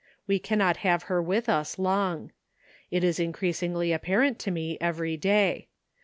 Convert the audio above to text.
We cannot have her with us long. It is increasingly apparent to me every day.